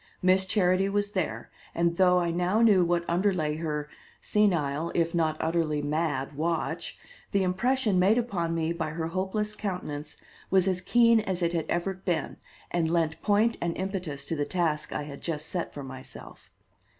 Miss Charity was there, and, though I now knew what underlay her senile, if not utterly mad watch, the impression made upon me by her hopeless countenance was as keen as it had ever been, and lent point and impetus to the task I had just set for myself.